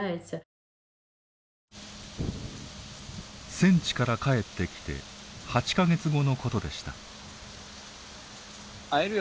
戦地から帰ってきて８か月後のことでした。